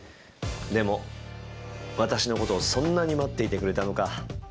でも私のことをそんなに待っていてくれたのか。